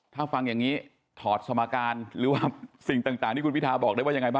ถ้าฟังอย่างนี้ถอดสมการหรือว่าสิ่งต่างที่คุณพิทาบอกได้ว่ายังไงบ้าง